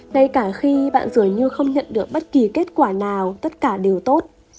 ngay cả khi bạn dường như không nhận được bất kỳ kết quả nào tất cả đều tốt